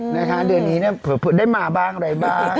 นะคะเดือนนี้เนี่ยเผลอได้มาบ้างอะไรบ้าง